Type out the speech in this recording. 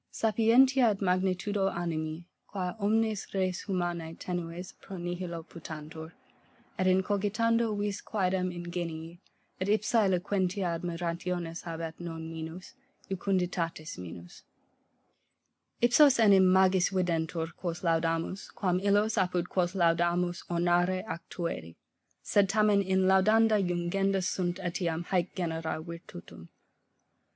Sapientia et magnitude animi, qua omnes res humanae tenues et pro nihilo putantur, et in cogitando vis quaedam ingenii, et ipsa eloquentia admirationis habet non minus, jucunditatis minus. Ipsos enim magis videntur, quos laudamus, quam illos, apud quos laudamus ornare ac tueri: sed tamen in laudenda jungenda sunt eliam haec genera virtutum.